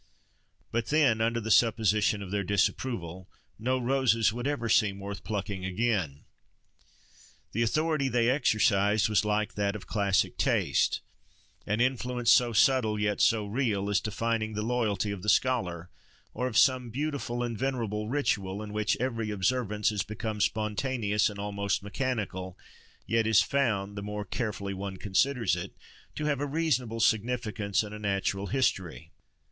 But then, under the supposition of their disapproval, no roses would ever seem worth plucking again. The authority they exercised was like that of classic taste—an influence so subtle, yet so real, as defining the loyalty of the scholar; or of some beautiful and venerable ritual, in which every observance is become spontaneous and almost mechanical, yet is found, the more carefully one considers it, to have a reasonable significance and a natural history.